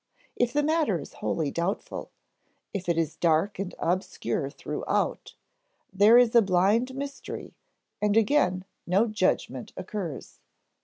If the matter is wholly doubtful, if it is dark and obscure throughout, there is a blind mystery and again no judgment occurs.